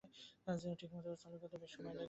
কাজ ঠিকমত চালু করতে বেশ সময় লাগে।